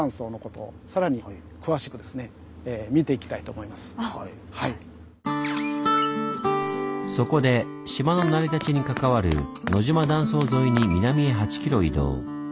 こういったそこで島の成り立ちに関わる野島断層沿いに南へ８キロ移動。